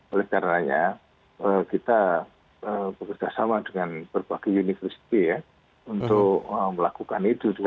oleh karenanya kita bekerjasama dengan berbagai university ya untuk melakukan itu